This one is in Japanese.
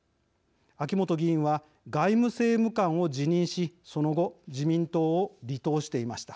秋本議員は外務政務官を辞任しその後自民党を離党していました。